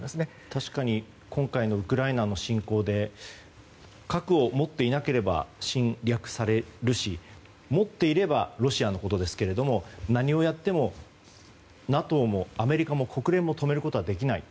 確かに今回のウクライナの侵攻で核を持っていなければ侵略されるし持っていればロシアのことですけれども何をやってもＮＡＴＯもアメリカも国連も止めることはできない。